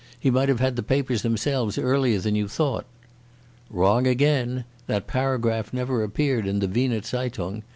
He might have had the papers themselves earlier than you thought." "Wrong again. The paragraph never appeared in the Weser Zeitung.